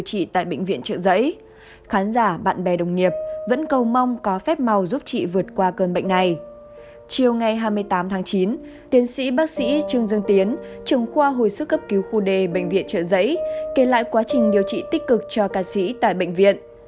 chiều ngày hai mươi tám tháng chín tiến sĩ bác sĩ trương dương tiến trưởng khoa hồi sức cấp cứu khu đề bệnh viện trợ giấy kể lại quá trình điều trị tích cực cho ca sĩ tại bệnh viện